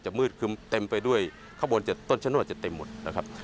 มืดคือเต็มไปด้วยข้างบน๗ต้นชะนวดจะเต็มหมดนะครับ